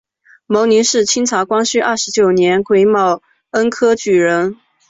牟琳是清朝光绪二十九年癸卯恩科举人。